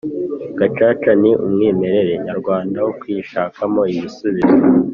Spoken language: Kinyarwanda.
Gacaca ni umwimerere nyarwanda wo kwishakamo ibisubizo